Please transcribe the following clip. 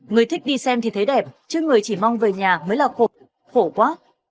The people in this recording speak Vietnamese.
người thích đi xem thì thấy đẹp chứ người chỉ mong về nhà mới là cuộc khổ quá